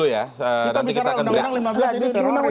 kita bicara undang undang lima belas ini teroris